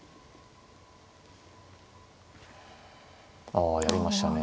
ああやりましたね。